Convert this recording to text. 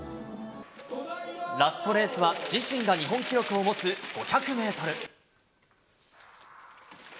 ラストレースは、自身が日本記録を持つ５００メートル。